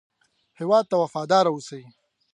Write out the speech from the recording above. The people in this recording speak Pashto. هېواد ته وفاداره اوسئ